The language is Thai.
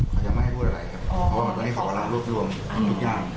เขายังไม่ให้พูดอะไรครับเพราะว่าตอนนี้เขากำลังรวบรวมทุกอย่าง